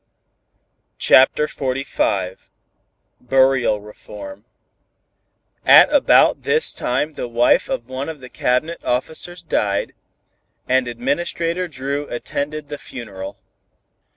CHAPTER XLV BURIAL REFORM At about this time the wife of one of the Cabinet officers died, and Administrator Dru attended the funeral.